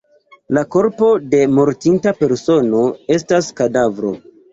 La korpo de mortinta persono estas kadavro.